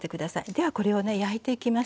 ではこれをね焼いていきます。